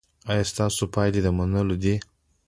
ایا ستاسو پایلې د منلو دي؟